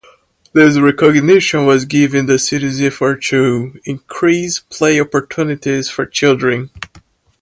This recognition was given the city's effort to "increase play opportunities for children".